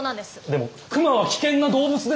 でも熊は危険な動物ですから。